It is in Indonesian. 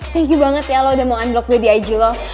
thank you banget ya lu udah mau unblock gue di ig lu